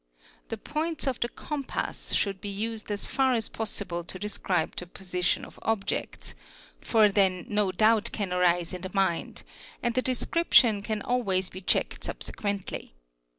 The points of the compass should be used as far as possible to describe the position of objects, for then no doubt can arise in the mind and the description can always be checked subsequently.